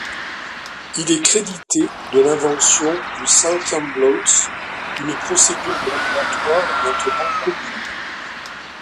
Il est crédité de l'invention du Southern blot, une procédure de laboratoire maintenant commune.